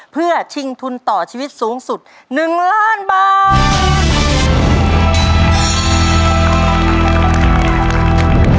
เพื่อชิงทุนต่อชีวิตสูงสุด๑ล้านบาท